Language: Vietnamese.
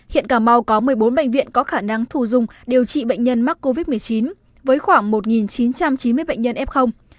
hiện cà mau có một mươi bốn bệnh viện có khả năng thù dung điều trị bệnh nhân mắc covid một mươi chín với khoảng một chín trăm chín mươi bệnh nhân f